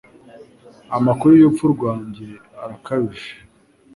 Amakuru y'urupfu rwanjye arakabije.